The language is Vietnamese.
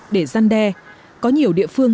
để gian đe có nhiều địa phương